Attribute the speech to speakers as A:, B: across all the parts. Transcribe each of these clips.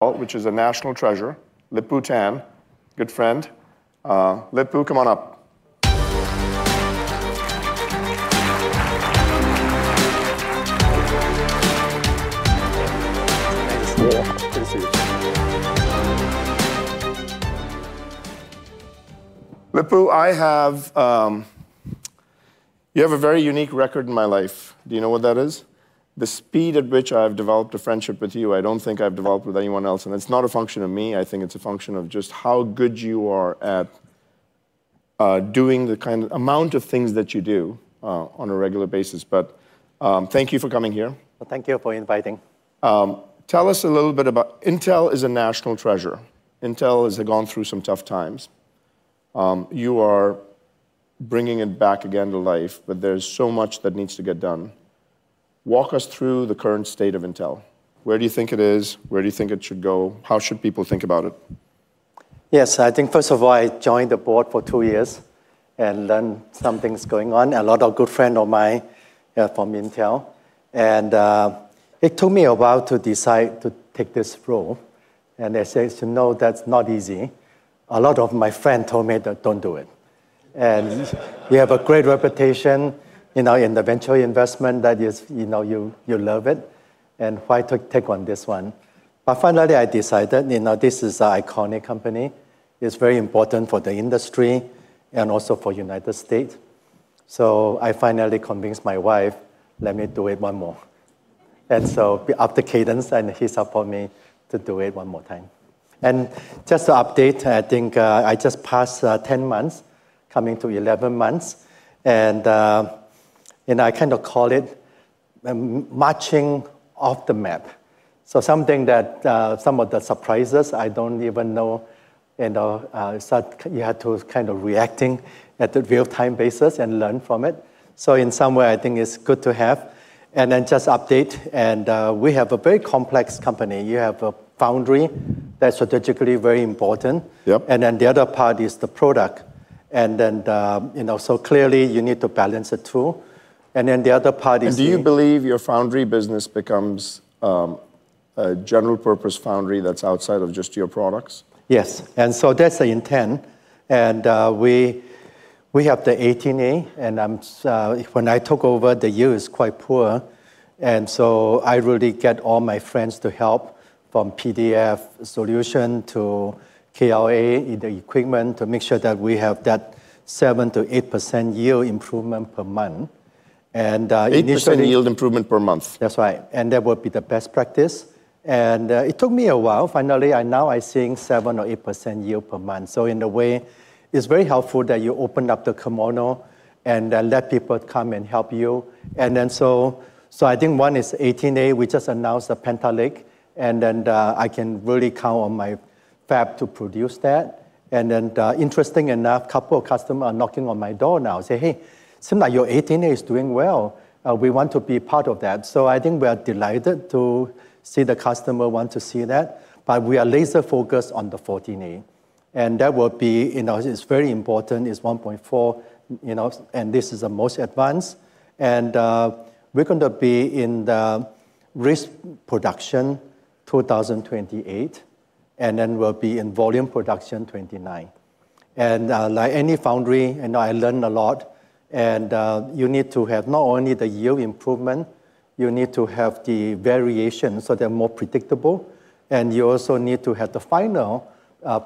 A: Which is a national treasure, Lip-Bu Tan, good friend. Lip-Bu, come on up. Nice to see you. Lip-Bu, I have, you have a very unique record in my life. Do you know what that is? The speed at which I have developed a friendship with you, I don't think I've developed with anyone else, and it's not a function of me. I think it's a function of just how good you are at, doing the kind of amount of things that you do, on a regular basis. But, thank you for coming here.
B: Thank you for inviting.
A: Tell us a little bit about Intel is a national treasure. Intel has gone through some tough times. You are bringing it back again to life, but there's so much that needs to get done. Walk us through the current state of Intel. Where do you think it is? Where do you think it should go? How should people think about it?
B: Yes, I think first of all, I joined the board for two years and learned some things going on. A lot of good friends of mine from Intel. It took me a while to decide to take this role. As you know, that's not easy. A lot of my friends told me that, "Don't do it." You have a great reputation, you know, in the venture investment that is, you know, you, you love it. Why take on this one? But finally, I decided, you know, this is an iconic company. It's very important for the industry and also for the United States. So I finally convinced my wife, "Let me do it one more." And so after Cadence, and he supported me to do it one more time. Just to update, I think I just passed 10 months, coming to 11 months. You know, I kind of call it marching off the map. So something that, some of the surprises I don't even know, you know, you had to kind of react to at the real-time basis and learn from it. So in some way, I think it's good to have. And then just update. And we have a very complex company. You have a foundry that's strategically very important.
A: Yep.
B: The other part is the product. You know, so clearly you need to balance the two. The other part is.
A: Do you believe your foundry business becomes a general-purpose foundry that's outside of just your products?
B: Yes. And so that's the intent. And we have the Intel 18A. And when I took over, the yield is quite poor. And so I really get all my friends to help from PDF Solutions to KLA in the equipment to make sure that we have that 7%-8% yield improvement per month. And initially.
A: 8% yield improvement per month.
B: That's right. That would be the best practice. It took me a while. Finally, now I'm seeing 7%-8% yield per month. So in a way, it's very helpful that you open up the kimono and let people come and help you. So I think one is 18A. We just announced the Panther Lake. I can really count on my fab to produce that. Interestingly enough, a couple of customers are knocking on my door now. They say, "Hey, it seems like your 18A is doing well. We want to be part of that." So I think we are delighted to see the customer want to see that. But we are laser-focused on the 14A. That will be, you know, it's very important. It's 14A, you know, and this is the most advanced. We're going to be in the risk production 2028. And then we'll be in volume production 2029. And, like any foundry, you know, I learned a lot. And, you need to have not only the yield improvement, you need to have the variation so they're more predictable. And you also need to have the final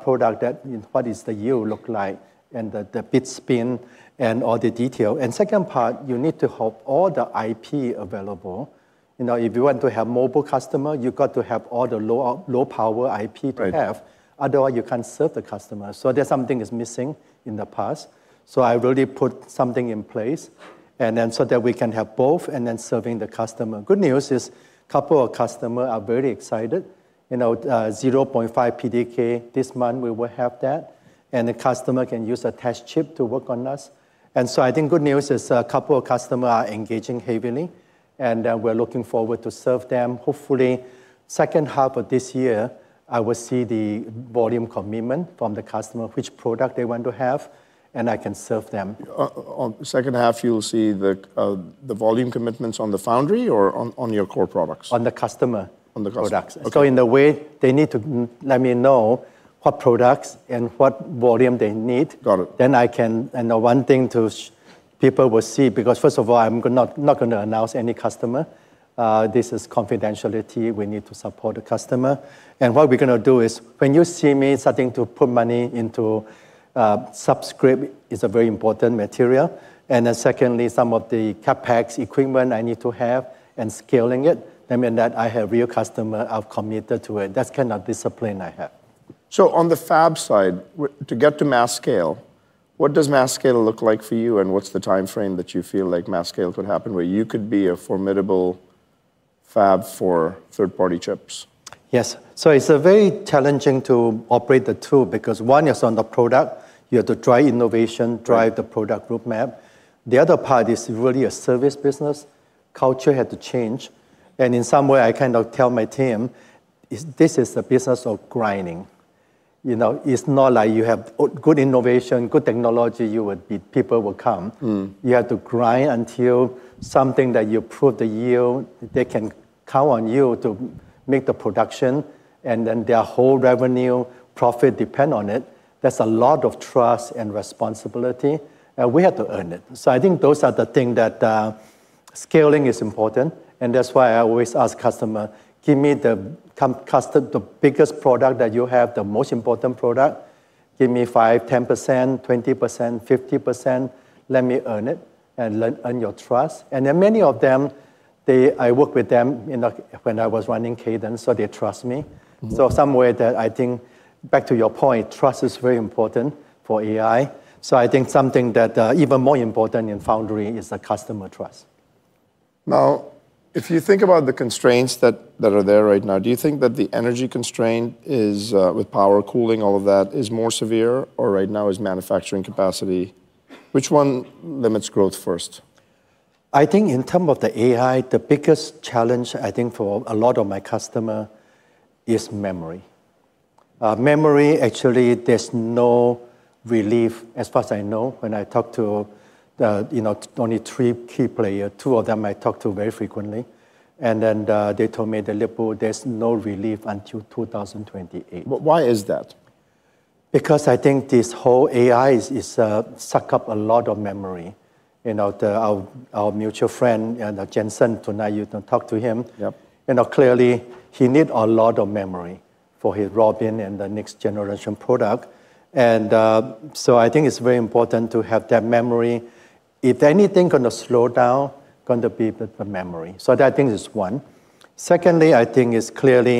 B: product that, you know, what does the yield look like and the bit spin and all the detail. And second part, you need to have all the IP available. You know, if you want to have mobile customers, you've got to have all the low-power IP to have. Otherwise, you can't serve the customer. So there's something missing in the past. So I really put something in place and then so that we can have both and then serving the customer. Good news is a couple of customers are very excited. You know, 0.5 PDK this month, we will have that. The customer can use a test chip to work on us. I think good news is a couple of customers are engaging heavily. We're looking forward to serve them. Hopefully, second half of this year, I will see the volume commitment from the customer, which product they want to have, and I can serve them.
A: second half, you'll see the volume commitments on the foundry or on your core products?
B: On the customer.
A: On the customer.
B: Products. So in a way, they need to let me know what products and what volume they need.
A: Got it.
B: Then, you know, one thing that people will see because first of all, I'm not going to announce any customer. This is confidential. We need to support the customer. And what we're going to do is when you see me starting to put money into glass substrate is a very important material. And then secondly, some of the CapEx equipment I need to have and scaling it. That means that I have real customers I've committed to it. That's kind of discipline I have.
A: On the fab side, to get to mass scale, what does mass scale look like for you? And what's the timeframe that you feel like mass scale could happen where you could be a formidable fab for third-party chips?
B: Yes. So it's very challenging to operate the two because one, it's on the product. You have to drive innovation, drive the product roadmap. The other part is really a service business. Culture had to change. And in some way, I kind of tell my team, this is a business of grinding. You know, it's not like you have good innovation, good technology, you will beat people will come. You have to grind until something that you prove the yield, they can count on you to make the production. And then their whole revenue profit depends on it. That's a lot of trust and responsibility. And we have to earn it. So I think those are the things that, scaling is important. And that's why I always ask customers, "Give me the biggest product that you have, the most important product. Give me 5%, 10%, 20%, 50%. Let me earn it and earn your trust." And then many of them, they, I work with them, you know, when I was running Cadence, so they trust me. Somehow I think, back to your point, trust is very important for AI. So I think something that, even more important in foundry, is the customer trust.
A: Now, if you think about the constraints that are there right now, do you think that the energy constraint is, with power, cooling, all of that, is more severe? Or right now is manufacturing capacity? Which one limits growth first?
B: I think in terms of the AI, the biggest challenge I think for a lot of my customers is memory. Memory, actually, there's no relief as far as I know. When I talk to, you know, only three key players, two of them I talk to very frequently. And then, they told me that Lip-Bu, there's no relief until 2028.
A: Why is that?
B: Because I think this whole AI is suck up a lot of memory. You know, our mutual friend, Jensen, tonight you can talk to him.
A: Yep.
B: You know, clearly he needs a lot of memory for his Rubin and the next generation product. So I think it's very important to have that memory. If anything's going to slow down, it's going to be the memory. So that I think is one. Secondly, I think it's clearly,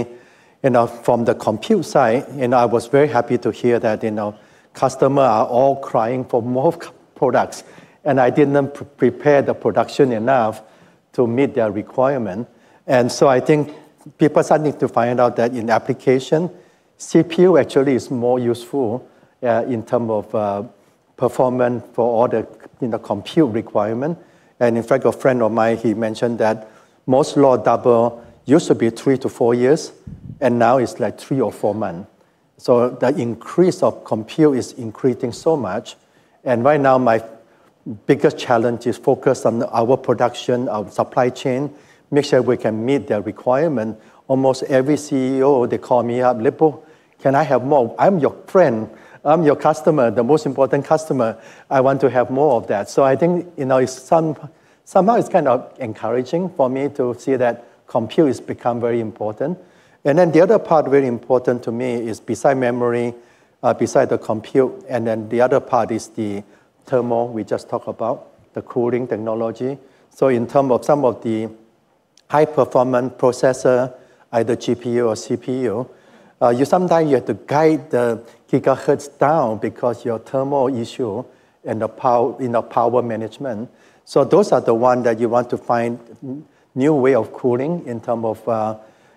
B: you know, from the compute side, you know, I was very happy to hear that, you know, customers are all crying for more products. And I didn't prepare the production enough to meet their requirements. And so I think people starting to find out that in application, CPU actually is more useful, in terms of, performance for all the, you know, compute requirements. And in fact, a friend of mine, he mentioned that Moore's Law doubling used to be 3-4 years. And now it's like three or four months. So the increase of compute is increasing so much. And right now, my biggest challenge is focus on our production, our supply chain, make sure we can meet their requirements. Almost every CEO, they call me up, "Lip-Bu, can I have more? I'm your friend. I'm your customer, the most important customer. I want to have more of that." So I think, you know, it's somehow it's kind of encouraging for me to see that compute has become very important. And then the other part very important to me is beside memory, beside the compute, and then the other part is the thermal we just talked about, the cooling technology. So in terms of some of the high-performance processor, either GPU or CPU, sometimes you have to guide the GHz down because of your thermal issue and the power, you know, power management. So those are the ones that you want to find new ways of cooling in terms of,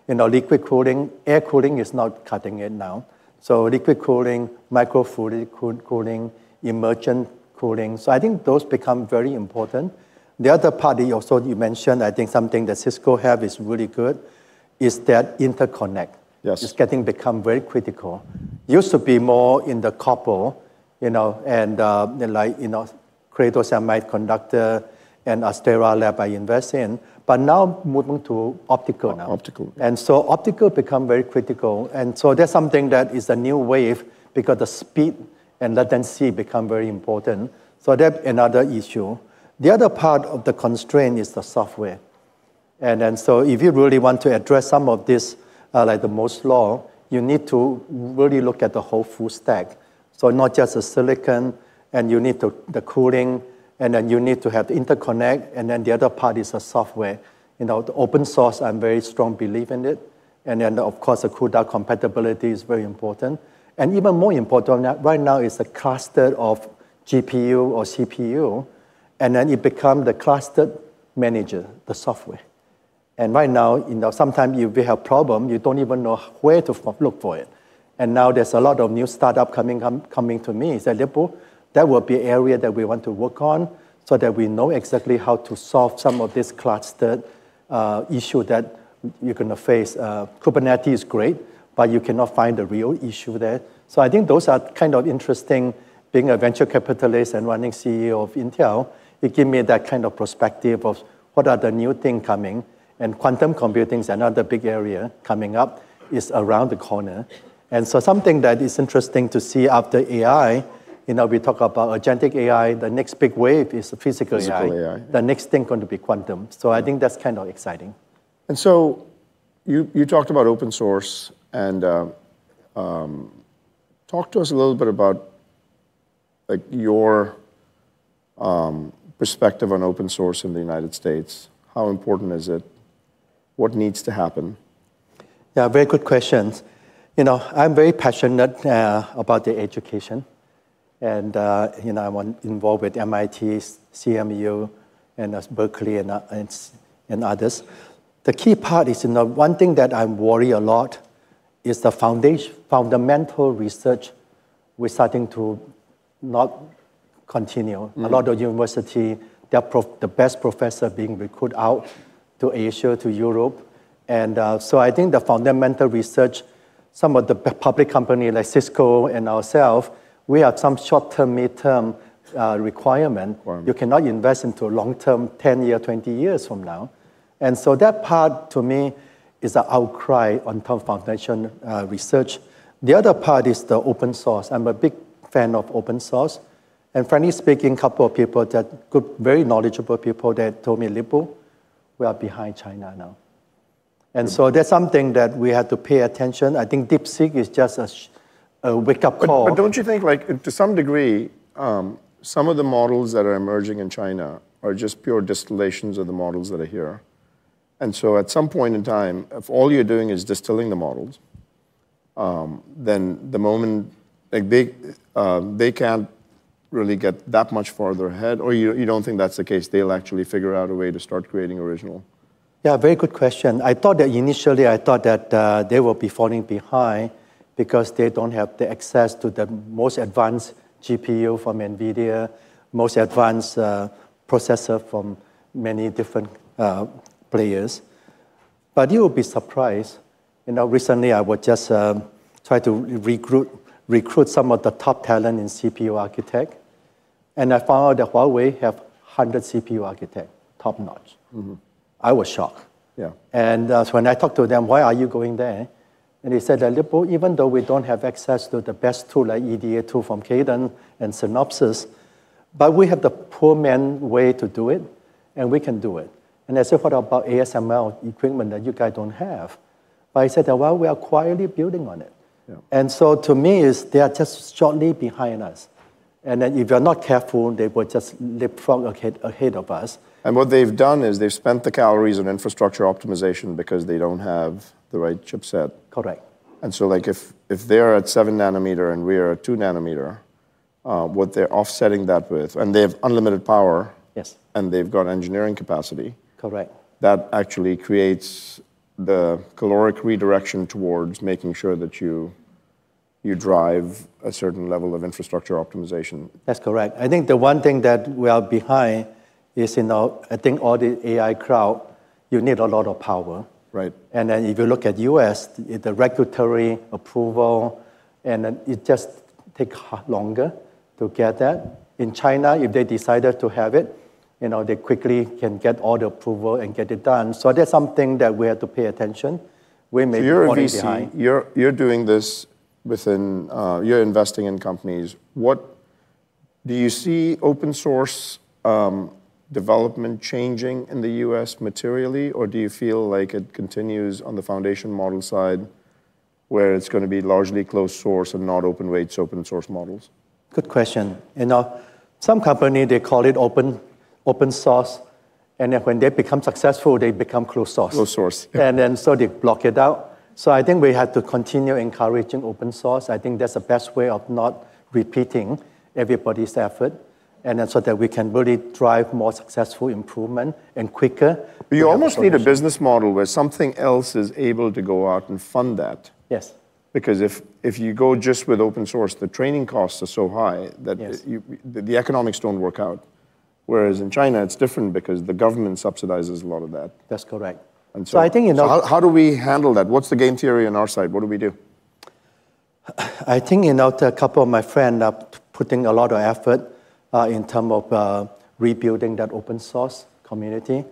B: you know, liquid cooling. Air cooling is not cutting it now. So liquid cooling, microfluidic cooling, immersion cooling. So I think those become very important. The other part that you also mentioned, I think something that Cisco have is really good is that interconnect is becoming very critical. Used to be more in the copper, you know, and, like, you know, Credo Semiconductor and Astera Labs I invest in. But now moving to optical now.
A: Optical.
B: Optical becomes very critical. That's something that is a new wave because the speed and latency become very important. So that's another issue. The other part of the constraint is the software. If you really want to address some of this, like the Moore's Law, you need to really look at the whole full stack. So not just the silicon, and you need to, the cooling, and then you need to have the interconnect. And then the other part is the software. You know, the open source, I'm very strong belief in it. And then, of course, the CUDA compatibility is very important. And even more important right now is the cluster of GPU or CPU. And then it becomes the cluster manager, the software. Right now, you know, sometimes if we have a problem, you don't even know where to look for it. And now there's a lot of new startups coming, coming to me. I say, "Lip-Bu, that will be an area that we want to work on so that we know exactly how to solve some of this cluster issue that you're going to face." Kubernetes is great, but you cannot find the real issue there. So I think those are kind of interesting. Being a venture capitalist and running CEO of Intel, it gave me that kind of perspective of what are the new things coming? And quantum computing is another big area coming up, is around the corner. And so something that is interesting to see after AI, you know, we talk about agentic AI, the next big wave is the physical AI.
A: Physical AI.
B: The next thing going to be quantum. So I think that's kind of exciting.
A: You talked about open source and talk to us a little bit about, like, your perspective on open source in the United States. How important is it? What needs to happen?
B: Yeah, very good questions. You know, I'm very passionate about the education. And, you know, I want involved with MIT, CMU, and Berkeley and others. The key part is, you know, one thing that I worry a lot is the foundational research. We're starting to not continue. A lot of universities, they're the best professors being recruited out to Asia, to Europe. And, so I think the fundamental research, some of the public companies like Cisco and ourselves, we have some short-term, mid-term, requirements. You cannot invest into long-term, 10 years, 20 years from now. And so that part to me is an outcry on terms of foundational, research. The other part is the open source. I'm a big fan of open source. Frankly speaking, a couple of people that, good, very knowledgeable people that told me, "Lip-Bu, we are behind China now." And so that's something that we have to pay attention. I think DeepSeek is just a wake-up call.
A: But don't you think, like, to some degree, some of the models that are emerging in China are just pure distillations of the models that are here? And so at some point in time, if all you're doing is distilling the models, then the moment, like, they, they can't really get that much farther ahead? Or you, you don't think that's the case? They'll actually figure out a way to start creating original?
B: Yeah, very good question. I thought that initially I thought that they will be falling behind because they don't have access to the most advanced GPU from NVIDIA, most advanced processor from many different players. But you will be surprised. You know, recently I was just trying to recruit some of the top talent in CPU architect. And I found out that Huawei have 100 CPU architects, top-notch. I was shocked.
A: Yeah.
B: And when I talked to them, "Why are you going there?" And they said that, "Lip-Bu, even though we don't have access to the best tool like EDA tool from Cadence and Synopsys, but we have the poor man's way to do it. And we can do it." And I said, "What about ASML equipment that you guys don't have?" But I said that, "Well, we are quietly building on it." And so to me, they are just shortly behind us. And then if you're not careful, they will just leapfrog ahead of us.
A: What they've done is they've spent the calories on infrastructure optimization because they don't have the right chipset.
B: Correct.
A: And so, like, if they're at 7 nm and we are at 2 nm, what they're offsetting that with, and they have unlimited power.
B: Yes.
A: They've got engineering capacity.
B: Correct.
A: That actually creates the capital redirection towards making sure that you drive a certain level of infrastructure optimization.
B: That's correct. I think the one thing that we are behind is, you know, I think all the AI crowd, you need a lot of power.
A: Right.
B: Then if you look at the U.S., the regulatory approval, and then it just takes longer to get that. In China, if they decided to have it, you know, they quickly can get all the approval and get it done. So that's something that we have to pay attention. We may be falling behind.
A: So you're already seeing you're doing this within, you're investing in companies. What do you see open source development changing in the U.S. materially? Or do you feel like it continues on the foundation model side where it's going to be largely closed source and not open weights open source models?
B: Good question. You know, some companies, they call it open, open source. And then when they become successful, they become closed source.
A: Closed source.
B: And then so they block it out. So I think we have to continue encouraging open source. I think that's the best way of not repeating everybody's effort. And then so that we can really drive more successful improvement and quicker.
A: But you almost need a business model where something else is able to go out and fund that.
B: Yes.
A: Because if you go just with open source, the training costs are so high that you, the economics don't work out. Whereas in China, it's different because the government subsidizes a lot of that.
B: That's correct. So I think, you know.
A: So how do we handle that? What's the game theory on our side? What do we do?
B: I think, you know, a couple of my friends are putting a lot of effort, in terms of, rebuilding that open source community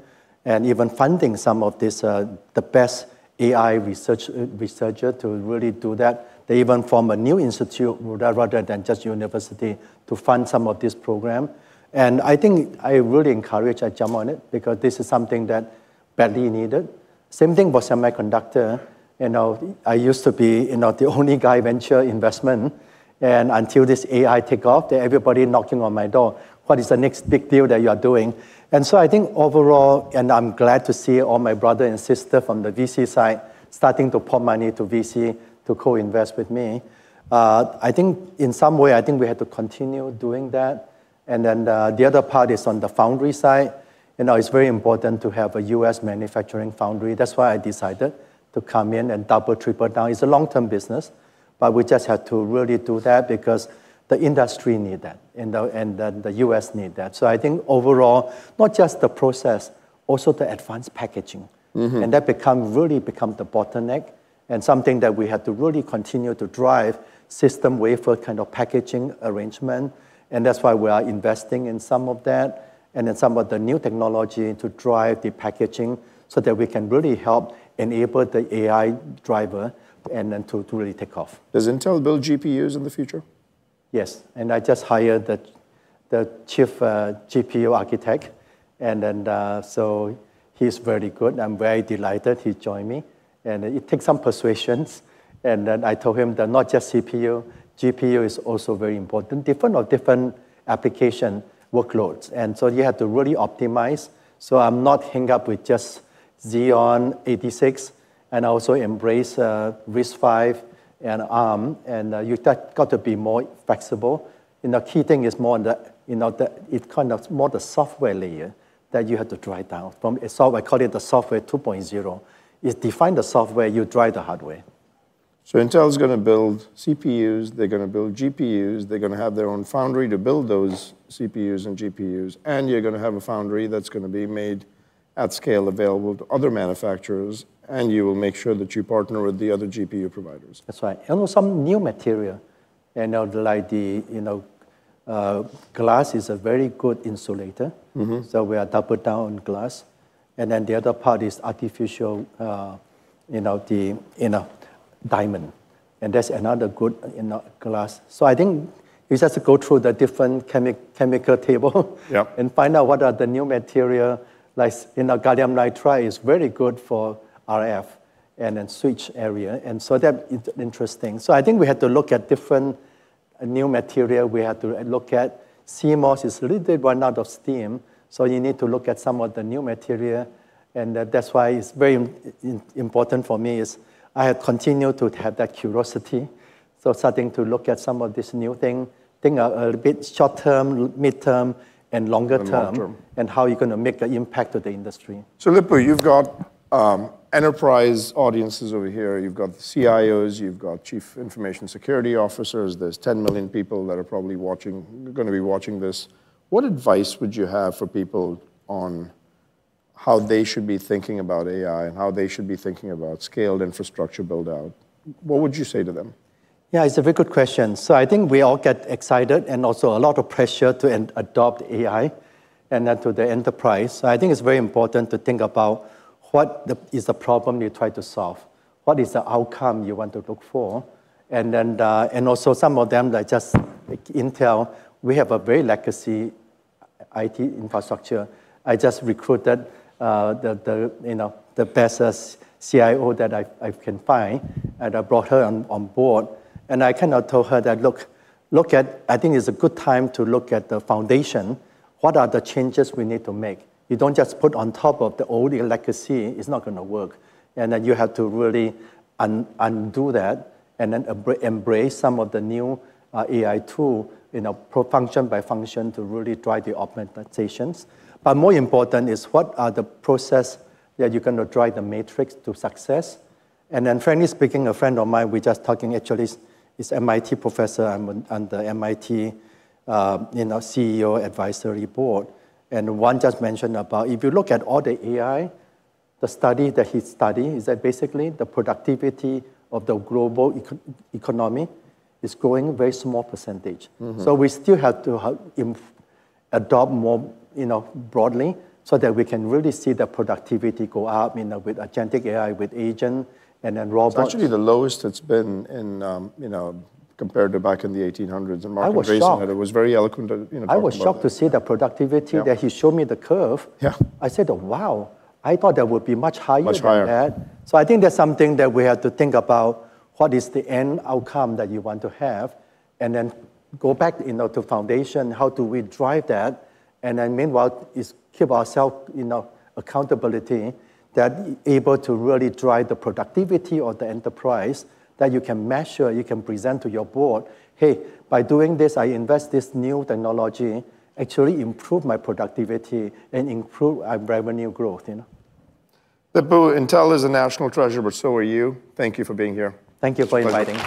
B: and even funding some of this, the best AI research, researcher to really do that. They even form a new institute rather than just university to fund some of this program. I think I really encourage I jump on it because this is something that's badly needed. Same thing for semiconductor. You know, I used to be, you know, the only guy venture investment. Until this AI takeoff, everybody knocking on my door. "What is the next big deal that you are doing?" So I think overall, I'm glad to see all my brother and sister from the VC side starting to pour money to VC to co-invest with me. I think in some way, I think we have to continue doing that. And then, the other part is on the foundry side. You know, it's very important to have a U.S. manufacturing foundry. That's why I decided to come in and double, triple down. It's a long-term business. But we just have to really do that because the industry needs that. You know, and then the U.S. needs that. So I think overall, not just the process, also the advanced packaging. And that becomes really become the bottleneck and something that we have to really continue to drive system wafer kind of packaging arrangement. And that's why we are investing in some of that and then some of the new technology to drive the packaging so that we can really help enable the AI driver and then to really take off.
A: Does Intel build GPUs in the future?
B: Yes. I just hired the chief GPU architect. Then, so he's very good. I'm very delighted he joined me. It takes some persuasion. Then I told him that not just CPU, GPU is also very important, different or different application workloads. So you have to really optimize. I'm not hung up with just x86. I also embrace RISC-V and Arm. You've got to be more flexible. You know, key thing is more on the, you know, the, it kind of more the software layer that you have to drive down from. So I call it the Software 2.0. It's define the software, you drive the hardware.
A: Intel's going to build CPUs, they're going to build GPUs, they're going to have their own foundry to build those CPUs and GPUs. You're going to have a foundry that's going to be made at scale, available to other manufacturers. You will make sure that you partner with the other GPU providers.
B: That's right. Also some new material. You know, like the glass is a very good insulator. So we are double down on glass. Then the other part is artificial, you know, the, you know, diamond. That's another good, you know, glass. So I think we just have to go through the different chemical table.
A: Yeah.
B: Find out what are the new material. Like, you know, gallium nitride is very good for RF and then switch area. And so that's interesting. So I think we have to look at different new material. We have to look at CMOS is a little bit run out of steam. So you need to look at some of the new material. And that's why it's very important for me is I have continued to have that curiosity. So starting to look at some of this new thing, think a little bit short-term, mid-term, and longer-term.
A: Longer-term.
B: How you're going to make an impact to the industry.
A: So, Lip-Bu, you've got enterprise audiences over here. You've got the CIOs, you've got chief information security officers. There's 10 million people that are probably watching, going to be watching this. What advice would you have for people on how they should be thinking about AI and how they should be thinking about scaled infrastructure buildout? What would you say to them?
B: Yeah, it's a very good question. So I think we all get excited and also a lot of pressure to adopt AI and then to the enterprise. So I think it's very important to think about what is the problem you try to solve? What is the outcome you want to look for? And then, and also some of them, like just Intel, we have a very legacy IT infrastructure. I just recruited, you know, the best CIO that I can find. And I brought her on board. And I kind of told her that, "Look, look at, I think it's a good time to look at the foundation. What are the changes we need to make? You don't just put on top of the old legacy, it's not going to work." And then you have to really undo that and then embrace some of the new AI tool, you know, function by function to really drive the optimizations. But more important is what are the process that you're going to drive the matrix to success? And then frankly speaking, a friend of mine, we just talking, actually, is MIT professor. I'm on the MIT, you know, CEO advisory board. And one just mentioned about if you look at all the AI, the study that he studied, is that basically the productivity of the global economy is growing very small percentage. So we still have to adopt more, you know, broadly so that we can really see the productivity go up, you know, with Agentic AI, with agent, and then robots.
A: It's actually the lowest it's been in, you know, compared to back in the 1800s, and Mark Andreessen had it was very eloquent to, you know, talk about that.
B: I was shocked to see the productivity that he showed me the curve.
A: Yeah.
B: I said, "Wow." I thought that would be much higher than that.
A: Much higher.
B: I think that's something that we have to think about. What is the end outcome that you want to have? Then go back, you know, to foundation, how do we drive that? Meanwhile, it's keep ourselves, you know, accountability that able to really drive the productivity of the enterprise that you can measure, you can present to your board. "Hey, by doing this, I invest this new technology, actually improve my productivity and improve our revenue growth," you know?
A: Lip-Bu, Intel is a national treasure, but so are you. Thank you for being here.
B: Thank you for inviting.